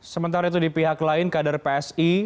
sementara itu di pihak lain kader psi